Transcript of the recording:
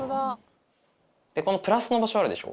このプラスの場所あるでしょ。